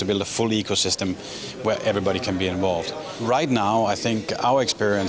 sekarang kita memiliki ekosistem yang sangat penting untuk membuat ekosistem penuh di mana semua orang dapat bergabung